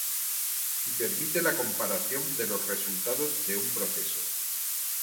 Y permite la comparación de los resultados de un proceso.